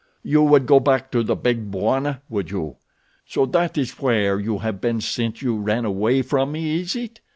"You would go back to the Big Bwana, would you? So that is where you have been since you ran away from me, is it?